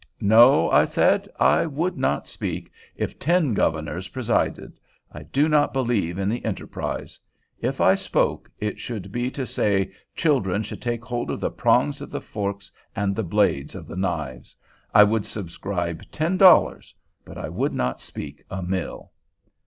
"No," I said, "I would not speak, if ten Governors presided. I do not believe in the enterprise. If I spoke, it should be to say children should take hold of the prongs of the forks and the blades of the knives. I would subscribe ten dollars, but I would not speak a mill."